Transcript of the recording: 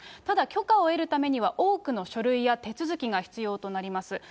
ただ許可を得るためには多くの書類や手続きが必要となります。